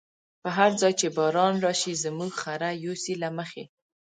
په هر ځای چی باران راشی، زموږ خره يوسی له مخی